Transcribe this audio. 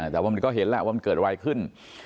แต่ว่ามันก็เห็นแหละว่ามันเกิดอะไรขึ้น